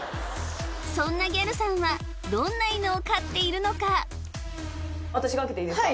そんなギャルさんはどんな犬を飼っているのか私が開けていいですか？